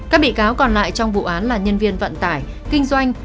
các bị cáo còn lại trong vụ án là nhân viên vận tải kinh doanh